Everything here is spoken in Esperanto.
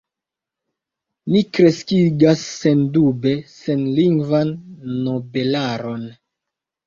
"Ni kreskigas duoble senlingvan nobelaron.